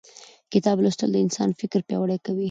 کتاب لوستل د انسان فکر پیاوړی کوي